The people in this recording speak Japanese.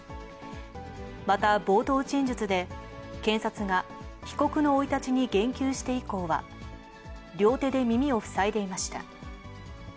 また冒頭陳述で、検察が被告の生い立ちに言及して以降は、両手で耳を塞いでいました。